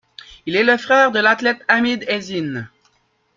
Il est le frère de l'athlète Hamid Ezzine.